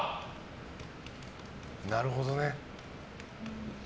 なるほどね。